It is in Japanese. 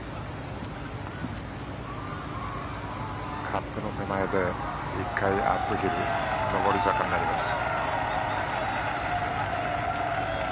カップの手前で１回アップヒル上り坂になります。